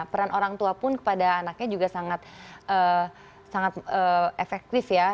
peran orang tua pun kepada anaknya juga sangat efektif ya